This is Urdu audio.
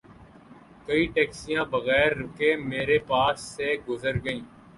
کئی ٹیکسیاں بغیر رکے میر پاس سے گزر گئیں